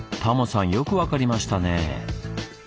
タモさんよく分かりましたねぇ。